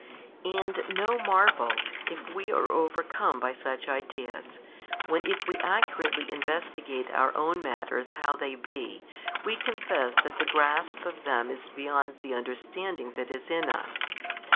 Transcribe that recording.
And no marvel, if we are overcome by such ideas, when if we accurately investigate our own matters how they be, we confess that the grasp of them is beyond the understanding that is in us.